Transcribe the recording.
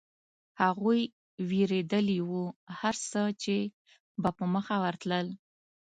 هغوی وېرېدلي و، هرڅه چې به په مخه ورتلل.